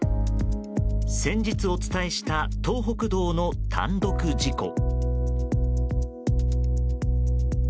先日お伝えした東北道の単独事故。